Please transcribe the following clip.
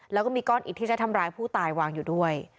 แล้วก็มีก้อนอิดที่ใช้ทำร้ายผู้ตายวางอยู่ด้วย